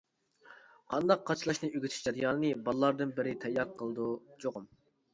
قانداق قاچىلاشنى ئۆگىتىش جەريانىنى بالىلاردىن بىرى تەييار قىلىدۇ چوقۇم.